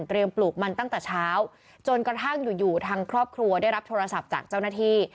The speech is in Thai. ปลูกมันตั้งแต่เช้าจนกระทั่งอยู่อยู่ทางครอบครัวได้รับโทรศัพท์จากเจ้าหน้าที่